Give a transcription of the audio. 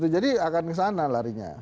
jadi akan kesana larinya